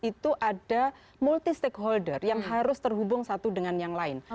itu ada multi stakeholder yang harus terhubung satu dengan yang lain